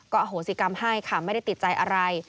อโหสิกรรมให้ค่ะไม่ได้ติดใจอะไร